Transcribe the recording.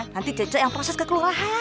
nanti cece yang proses kekeluargaan